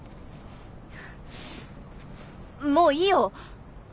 もういいよ。